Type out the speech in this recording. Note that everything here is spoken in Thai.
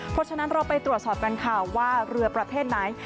เพราะฉะนั้นเราไปตรวจสอบกันค่ะว่าเรือประเภทไหน